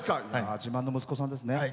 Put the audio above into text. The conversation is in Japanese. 自慢の息子さんですね。